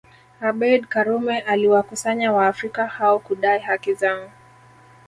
Abeid Karume aliwakusanya waafrika hao kudai haki zao